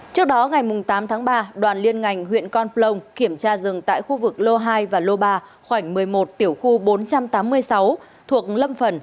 trước đó ngày tám tháng ba đoàn liên ngành huyện con plong kiểm tra rừng tại khu vực lô hai và lô ba khoảnh một mươi một tiểu khu bốn trăm tám mươi sáu thuộc lâm phần